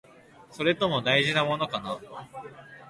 それとも、大事なものかな？